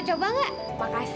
iya terima kasih